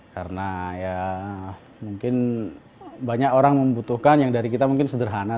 karena ya mungkin banyak orang membutuhkan yang dari kita mungkin sederhana